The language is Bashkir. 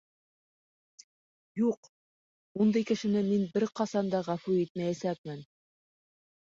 Юҡ, ундай кешене мин бер ҡасан да ғәфү итмәйәсәкмен!..